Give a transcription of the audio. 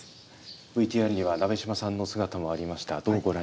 ＶＴＲには鍋島さんの姿もありました。